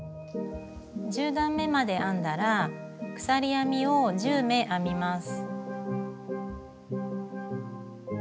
１０段めまで編んだら鎖編みを１０目編みます。